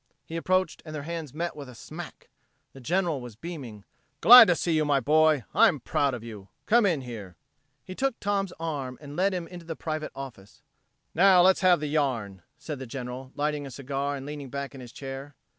He approached and their hands met with a smack! The General was beaming. "Glad to see you, boy. I'm proud of you. Come in here." He took Tom's arm and led him toward the private office. "Now let's have the yarn," said the General, lighting a cigar and leaning back in his chair.